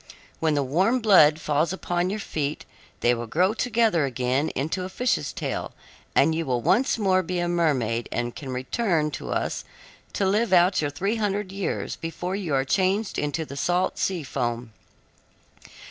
When the warm blood falls upon your feet they will grow together again into a fish's tail, and you will once more be a mermaid and can return to us to live out your three hundred years before you are changed into the salt sea foam.